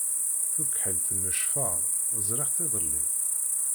Tukḥilt n lecfar, ẓriɣ-tt iḍelli.